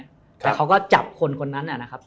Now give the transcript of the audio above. แต่เขาก็จับคนคนนั้นนะครับ